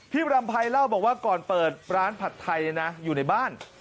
บรำภัยเล่าบอกว่าก่อนเปิดร้านผัดไทยอยู่ในบ้าน